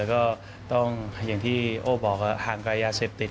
ก็ต้องอย่างที่โอ้บอกห่างไกลยาเสพติด